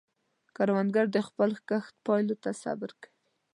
کروندګر د خپل کښت پایلو ته صبر کوي